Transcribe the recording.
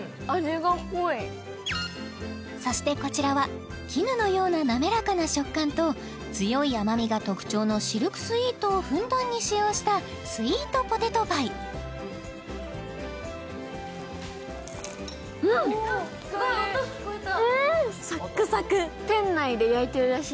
そしてこちらは絹のような滑らかな食感と強い甘みが特徴のシルクスイートをふんだんに使用したスイートポテトパイ・すごい！音聞こえたうん！